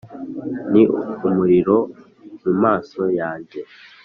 ni umuriro mu maso yanjye,